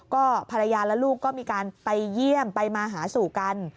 ก็ภรรยาและลูกก็มีการไปเยี่ยมไปมาหาสู่กัน